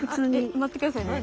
待って下さいね。